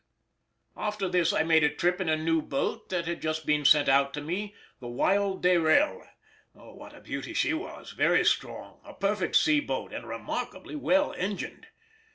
After this I made a trip in a new boat that had just been sent out to me, the Wild Dayrell. And a beauty she was, very strong, a perfect sea boat, and remarkably well engined.